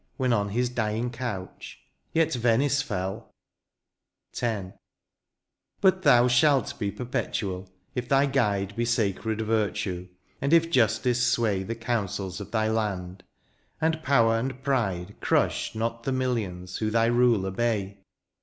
When on his dying couch — yet Venice fell ! 13G THE FUTURE. X. But thou shalt be perpetual if thy guide Be sacred virtue, and if justice sway The counsels of thy land ; and power and pride Crush not the millions who thy rule obey.